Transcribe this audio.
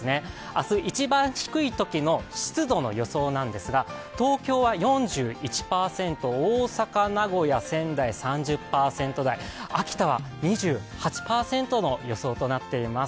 明日一番低いときの湿度の予想ですが東京は４１％、大阪、名古屋、仙台３０％台秋田は２８％の予想となっています。